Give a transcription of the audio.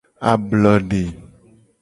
Ablode.